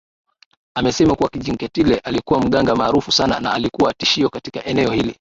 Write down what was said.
anasema kuwa Kinjeketile alikuwa mganga maarufu sana na alikuwa tishio katika eneo hili